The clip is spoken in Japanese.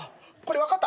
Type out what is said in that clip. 分かった。